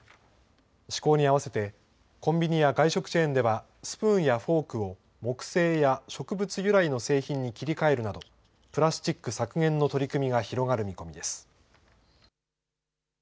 施行に合わせて、コンビニや外食チェーンでは、スプーンやフォークを木製や植物由来の製品に切り替えるなど、プラスチック削減の取り組みが広がる見込みです。